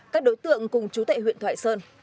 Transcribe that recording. các đối tượng cùng chú tệ huyện thoại sơn